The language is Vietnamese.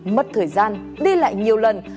mất thời gian đi lại nhiều lần